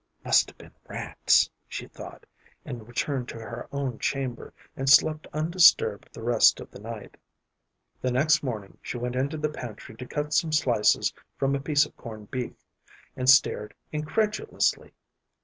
"Must have been rats," she thought, and returned to her own chamber, and slept undisturbed the rest of the night. The next morning she went into the pantry to cut some slices from a piece of corned beef, and stared incredulously.